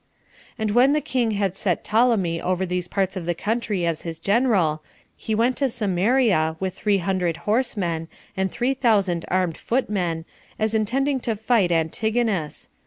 6. And when the king had set Ptolemy over these parts of the country as his general, he went to Samaria, with six hundred horsemen, and three thousand armed footmen, as intending to fight Antigonus.